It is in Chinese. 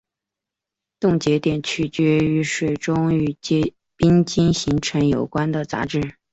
冻结点取决于水中与冰晶形成有关的杂质。